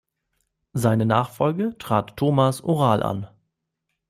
Seine Nachfolge trat Tomas Oral an.